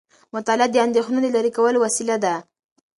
مطالعه د اندیښنو د لرې کولو وسیله ده.